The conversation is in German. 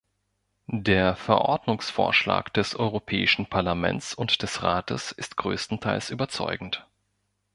Der Verordnungsvorschlag des Europäischen Parlaments und des Rates ist größtenteils überzeugend.